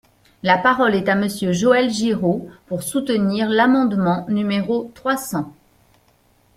La parole est à Monsieur Joël Giraud, pour soutenir l’amendement numéro trois cents.